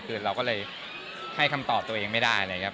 คือเราก็เลยให้คำตอบตัวเองไม่ได้นะครับ